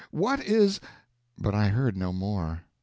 What is " But I heard no more.